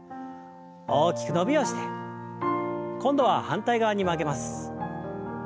大きく伸びをして今度は反対側に曲げます。